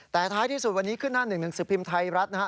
แต่ท้ายที่สุดวันนี้ขึ้นหน้า๑๑๑สิบพิมพ์ไทยรัฐนะฮะ